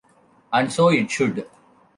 And so it should.